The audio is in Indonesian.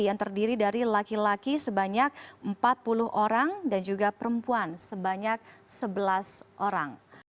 yang terdiri dari laki laki sebanyak empat puluh orang dan juga perempuan sebanyak sebelas orang